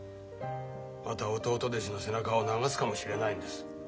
また弟弟子の背中を流すかもしれないんです。